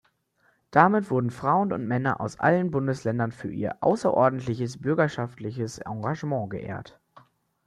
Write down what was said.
Damit wurden Frauen und Männer aus allen Bundesländern für ihr „außerordentliches bürgerschaftliches Engagement“ geehrt.